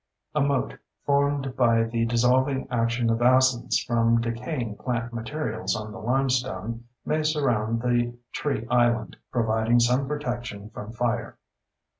A moat, formed by the dissolving action of acids from decaying plant materials on the limestone, may surround the tree island, providing some protection from fire.